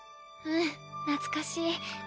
うん懐かしい。